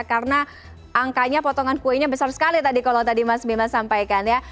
karena angkanya potongan kuenya besar sekali tadi kalau tadi mas bima sampaikan ya